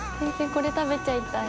これ食べちゃいたい。